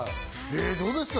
どうですか？